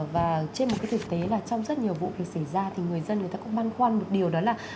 và trên một cái thực tế là trong rất nhiều vụ việc xảy ra thì người dân người ta cũng băn khoăn một điều đó là